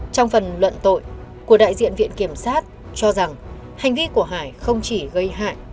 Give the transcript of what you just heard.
trong phần luận tội của đại diện viện kiểm sát cho rằng hành vi của hải không chỉ gây hại